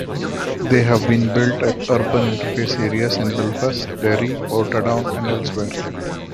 They have been built at urban interface areas in Belfast, Derry, Portadown and elsewhere.